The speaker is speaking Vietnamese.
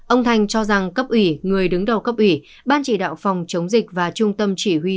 ông thành cho rằng cấp ủy người đứng đầu cấp ủy ban chỉ đạo phòng chống dịch và trung tâm chỉ huy